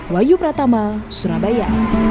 wayu pratama surabaya